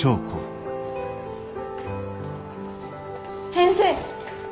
先生。